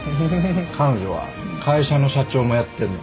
彼女は会社の社長もやってるの。